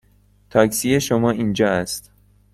تاکسی شما اینجا است.